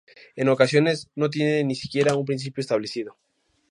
En ocasiones no tiene ni siquiera un principio establecido.